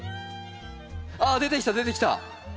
あっ出てきた出てきた。